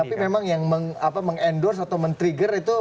tapi memang yang meng endorse atau men trigger itu